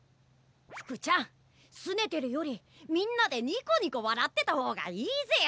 フクちゃんすねてるよりみんなでニコニコわらってたほうがいいぜよ！